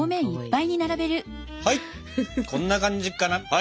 はいこんな感じかな。